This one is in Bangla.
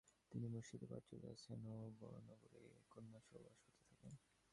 তিনি মুর্শিদাবাদ চলে আসেন ও বড়নগরে কন্যাসহ বাস করতে থাকেন।